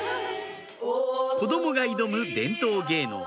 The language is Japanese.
「子供が挑む伝統芸能」